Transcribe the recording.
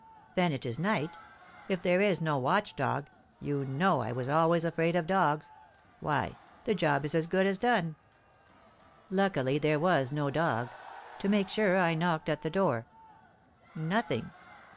Then it is night; if there is no watch dog (you know I was always afraid of dogs), why, the job is as good as done.' Luckily there was no dog. To make sure I knocked at the door. Nothing.